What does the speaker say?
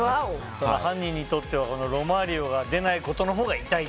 犯人にとってはロマーリオが出ないことのほうが痛い。